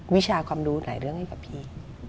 วิชาความรู้หลายเรื่องให้กับพี่